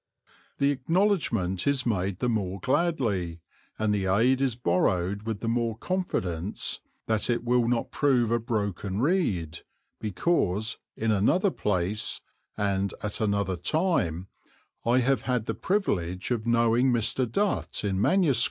The acknowledgment is made the more gladly, and the aid is borrowed with the more confidence that it will not prove a broken reed, because "in another place" and at another time I have had the privilege of knowing Mr. Dutt in MS.